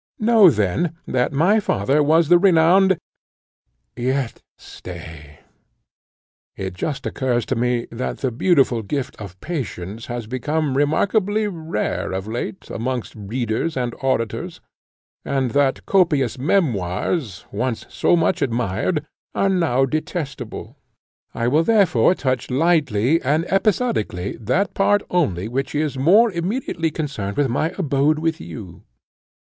Know, then, that my father was the renowned yet stay; it just occurs to me, that the beautiful gift of patience has become remarkably rare of late amongst readers and auditors, and that copious memoirs, once so much admired, are now detestable: I will therefore touch lightly and episodically that part only which is more immediately connected with my abode with you.